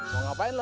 mau ngapain lu